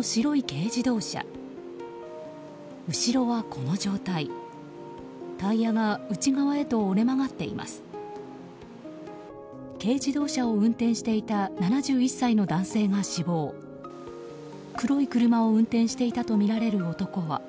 軽自動車を運転していた７１歳の男性が死亡黒い車を運転していたとみられる男は。